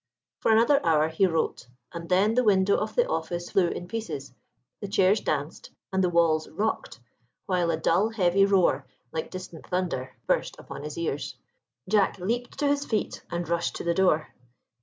For another hour he wrote; and then the window of the office flew in pieces, the chairs danced, and the walls rocked, while a dull heavy roar, like distant thunder, burst upon his ears. Jack leaped to his feet and rushed to the door.